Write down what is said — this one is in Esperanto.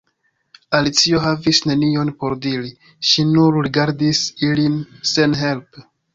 Alicio havis nenion por diri; ŝi nur rigardis ilin senhelpe.